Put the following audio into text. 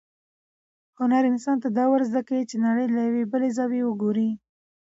هنر انسان ته دا ورزده کوي چې نړۍ ته له یوې بلې زاویې وګوري.